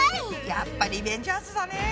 やっぱリベンジャーズだね。